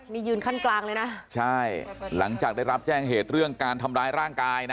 นี่ยืนขั้นกลางเลยนะใช่หลังจากได้รับแจ้งเหตุเรื่องการทำร้ายร่างกายนะ